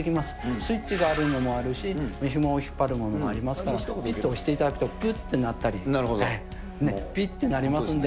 スイッチがあるのもあるし、ひもを引っ張るものもありますから、ぴっと押していただくとぷって鳴ったり、ぴって鳴りますんで。